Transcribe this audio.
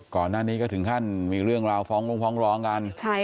ก่อนหน้านี้ก็ถึงขั้นมีเรื่องราวฟ้องลงฟ้องร้องกัน